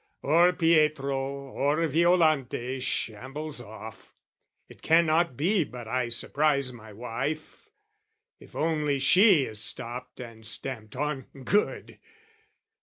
"Or Pietro or Violante shambles off "It cannot be but I surprise my wife "If only she is stopped and stamped on, good!